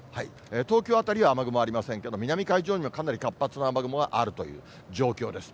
東京辺りは雨雲ありませんけど、南海上にはかなり活発な雨雲があるという状況です。